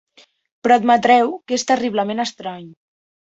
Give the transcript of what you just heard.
Però admetreu que és terriblement estrany.